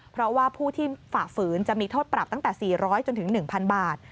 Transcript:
เพราะว่าผู้ที่ฝ่าฝืนจะมีโทษปรับตั้งแต่๔๐๐จนถึง๑๐๐บาท